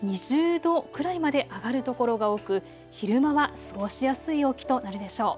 ２０度くらいまで上がる所が多く昼間は過ごしやすい陽気となるでしょう。